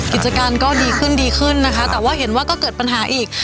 กิจการก็ดีขึ้นดีขึ้นนะคะแต่ว่าเห็นว่าก็เกิดปัญหาอีก